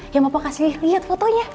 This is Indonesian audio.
ya bapak kasih liat fotonya